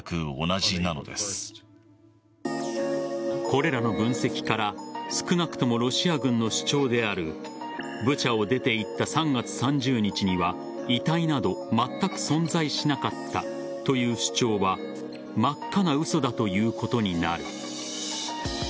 これらの分析から少なくともロシア軍の主張であるブチャを出て行った３月３０日には遺体などまったく存在しなかったという主張は真っ赤な嘘だということになる。